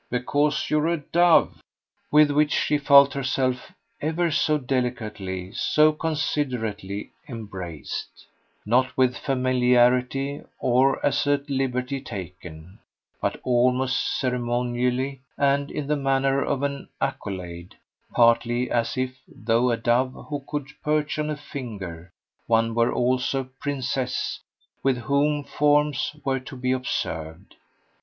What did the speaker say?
"Because you're a dove." With which she felt herself ever so delicately, so considerately, embraced; not with familiarity or as a liberty taken, but almost ceremonially and in the manner of an accolade; partly as if, though a dove who could perch on a finger, one were also a princess with whom forms were to be observed.